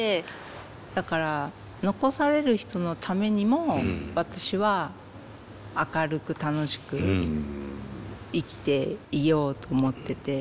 だから残される人のためにも私は明るく楽しく生きていようと思ってて。